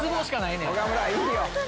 岡村いいよ。